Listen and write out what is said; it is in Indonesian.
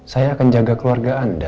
saya akan jaga keluarga anda